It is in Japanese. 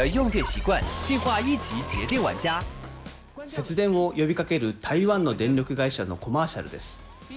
節電を呼びかける台湾の電力会社のコマーシャルです。